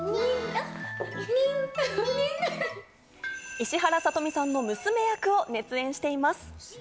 石原さとみさんの娘役を熱演しています。